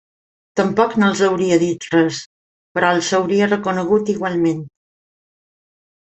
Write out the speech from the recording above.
Tampoc no els hauria dit res, però els hauria reconegut igualment.